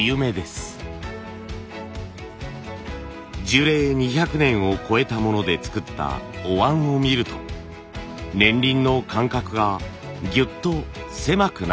樹齢２００年を超えたもので作ったお椀を見ると年輪の間隔がぎゅっと狭くなっています。